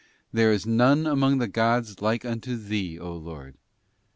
'There is none among the gods like unto Thee, 0 Lord.